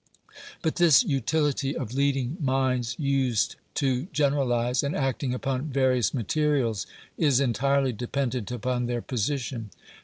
But this utility of leading minds used to generalise, and acting upon various materials, is entirely dependent upon their position.